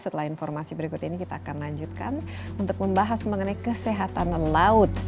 setelah informasi berikut ini kita akan lanjutkan untuk membahas mengenai kesehatan laut